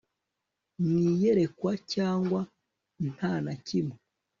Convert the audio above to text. Mu iyerekwa cyangwa nta na kimwe